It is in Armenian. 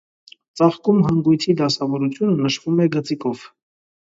Ծաղկում հանգույցի դասավորությունը նշվում է գծիկով։